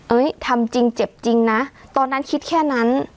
ทำจริงเจ็บจริงนะตอนนั้นคิดแค่นั้น